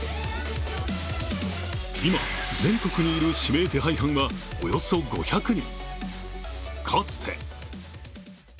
今、全国にいる指名手配犯はおよそ５００人。